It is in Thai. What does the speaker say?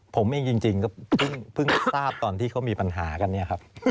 ผมเองจริงก็เพิ่งทราบตอนที่เขามีปัญหากันเนี่ยครับ